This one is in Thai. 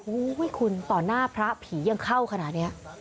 โอ้โหคุณต่อหน้าพระผียังเข้าขนาดนี้